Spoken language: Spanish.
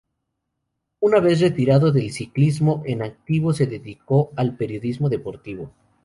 Una vez retirado del ciclismo en activo se dedicó al periodismo deportivo.